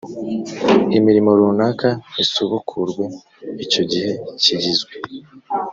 imirimo runaka isubukurwe icyo gihe kigizwe